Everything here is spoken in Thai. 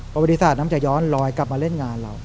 ประวัติศาสตร์นั้นจะย้อนลอยกลับมาเล่นงานเรา